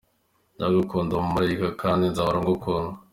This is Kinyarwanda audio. Ndagukunda mu marayika kandi nzahora ngukunda.